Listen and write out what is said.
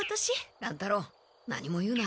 乱太郎何も言うな。